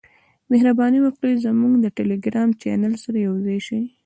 مهرباني وکړئ زموږ د ټیلیګرام چینل سره یوځای شئ .